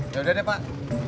yaudah deh pak